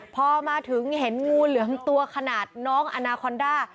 พอมาถึงเห็นงูเหลือมตัวขนาดน้องอนาคอนด้า